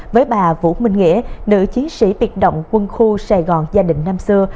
với bà vũ minh nghĩa nữ chiến sĩ biệt động quân khu sài gòn gia đình năm xưa